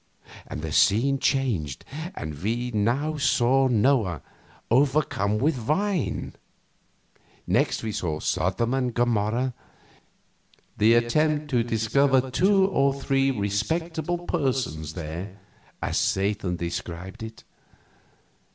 The scene changed, and we saw Noah overcome with wine. Next, we had Sodom and Gomorrah, and "the attempt to discover two or three respectable persons there," as Satan described it.